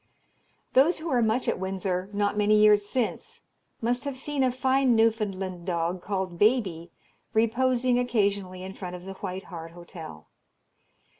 Those who were much at Windsor, not many years since, must have seen a fine Newfoundland dog, called Baby, reposing occasionally in front of the White Hart Hotel.